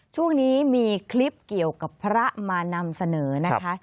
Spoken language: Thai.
ช่วงนี้มีคลิปเกี่ยวกับพระมานำเสนอนะคะ